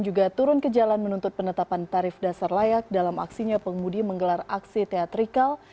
juga turun ke jalan menuntut penetapan tarif dasar layak dalam aksinya pengemudi menggelar aksi teatrikal